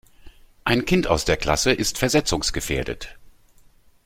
Ein Kind aus der Klasse ist versetzungsgefährdet.